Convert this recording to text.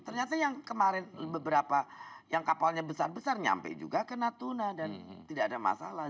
ternyata yang kemarin beberapa yang kapalnya besar besar nyampe juga ke natuna dan tidak ada masalah